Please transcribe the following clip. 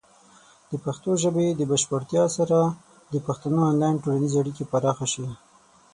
د پښتو ژبې د بشپړتیا سره، د پښتنو آنلاین ټولنیزې اړیکې پراخه شي.